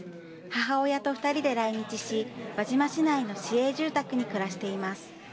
母親と２人で来日し、輪島市内の市営住宅に暮らしています。